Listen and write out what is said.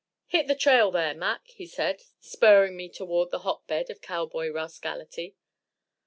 "Hit the trail, there, Mac," he said, spurring me toward the hotbed of cowboy rascality.